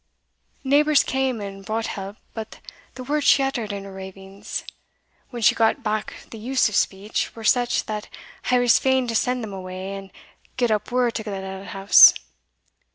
Neighbours cam and brought help; but the words she uttered in her ravings, when she got back the use of speech, were such, that I was fain to send them awa, and get up word to Glenallan House.